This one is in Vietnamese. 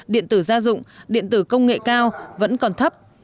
điện tử gia dụng điện tử công nghệ cao vẫn còn thấp